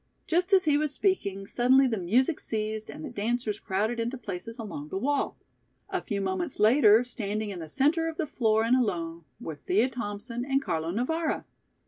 Just as he was speaking, suddenly the music ceased and the dancers crowded into places along the wall. A few moments later, standing in the centre of the floor and alone, were Thea Thompson and Carlo Navara.